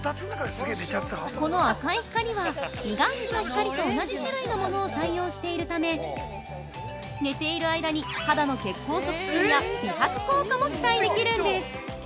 ◆この赤い光は美顔器の光と同じ種類のものを採用しているため寝ている間に肌の血行促進や美白効果も期待できるんです。